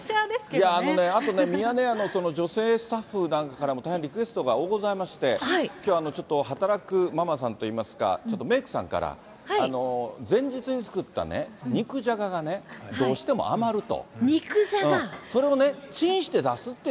あのね、あとミヤネ屋の女性スタッフからも大変リクエストがおおございまして、きょう、ちょっと働くママさんといいますか、ちょっとメークさんから、前日に作った肉じゃががね、どうしても余ると。